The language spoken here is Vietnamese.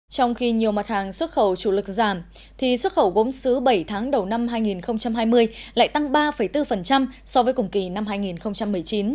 trong khi nhiều mặt hàng xuất khẩu chủ lực giảm thì xuất khẩu gốm xứ bảy tháng đầu năm hai nghìn hai mươi lại tăng ba bốn so với cùng kỳ năm hai nghìn một mươi chín